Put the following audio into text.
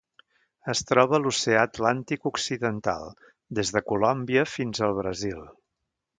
Es troba a l'Oceà Atlàntic occidental: des de Colòmbia fins al Brasil.